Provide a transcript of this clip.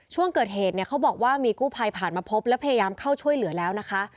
ช่วงเกิดเหตุเนี่ยเขาบอกว่ามีกู้ภัยผ่านมาพบและพยายามเข้าช่วยเหลือแล้วนะคะ